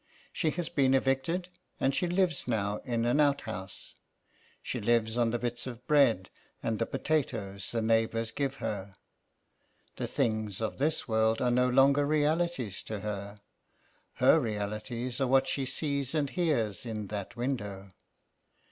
She has been evicted, and she lives now in an out house. She lives on the bits of bread and the potatoes the neighbours give her. The things of this world are no longer realities to her. Her realities are what she sees and hears in that window.